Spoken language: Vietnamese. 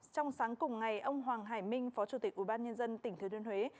trong sáng cùng ngày ông hoàng hải minh phó chủ tịch ubnd tỉnh thừa thiên huế